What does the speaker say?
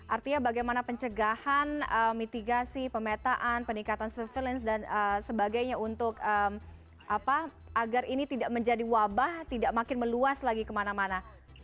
artinya bagaimana pencegahan mitigasi pemetaan peningkatan surveillance dan sebagainya untuk agar ini tidak menjadi wabah tidak makin meluas lagi kemana mana